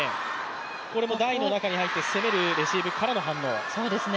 これも台の中に入って攻めるレシーブからの反応。